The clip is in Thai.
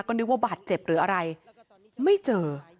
ก็นึกว่าบาดเจ็บหรืออะไรไม่เจอ